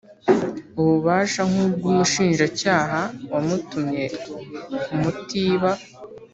ububasha nk ubw umushinjacyaha wamutumye kumutiba